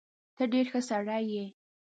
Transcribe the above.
ته ډېر ښه سړی يې.